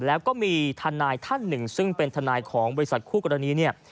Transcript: แล้วก็มีทนายท่านหนึ่งซึ่งเป็นทนายของบริษัทคู่กรณีเนี่ย